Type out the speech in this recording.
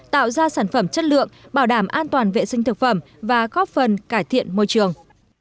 tạo ra sản phẩm chất lượng bảo đảm an toàn vệ sinh thực phẩm và góp phần cải thiện môi trường